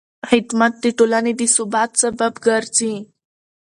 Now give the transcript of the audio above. خدمت د ټولنې د ثبات سبب ګرځي.